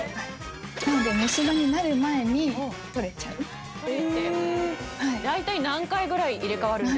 なので虫歯になる前に取れちゃうえ！